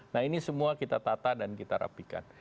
nah ini semua kita tata dan kita rapikan